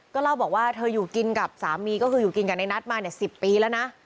เล่าบอกว่าเธออยู่กินกับสามีก็คืออยู่กินกับในนัทมาเนี่ย๑๐ปีแล้วนะ